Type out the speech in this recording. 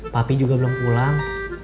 papi juga belum pulang